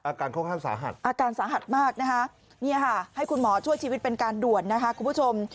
อาการค่อนข้างสาหัสอาการสาหัสมากนะคะนี่ค่ะให้คุณหมอช่วยชีวิตเป็นการด่วนนะคะคุณผู้ชม